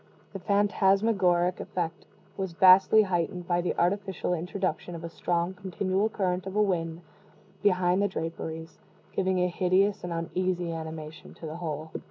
The phantasmagoric effect was vastly heightened by the artificial introduction of a strong continual current of wind behind the draperies giving a hideous and uneasy animation to the whole.